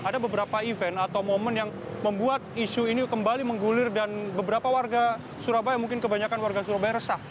ada beberapa event atau momen yang membuat isu ini kembali menggulir dan beberapa warga surabaya mungkin kebanyakan warga surabaya resah